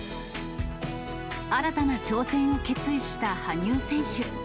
新たな挑戦を決意した羽生選手。